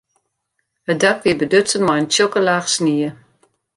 It dak wie bedutsen mei in tsjokke laach snie.